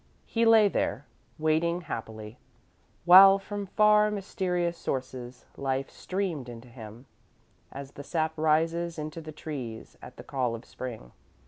He lay there, waiting happily, while from far, mysterious sources, life streamed into him, as the sap rises into the trees at the call of Spring.